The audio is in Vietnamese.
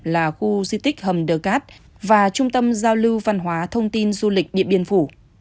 là khu di tích hầm đờ cát và trung tâm giao lưu văn hóa thông tin du lịch điện biên phủ